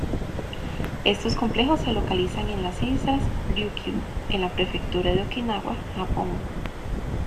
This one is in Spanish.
Estos complejos se localizan en las islas Ryukyu, en la prefectura de Okinawa, Japón.